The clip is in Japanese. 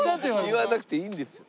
言わなくていいんですよ。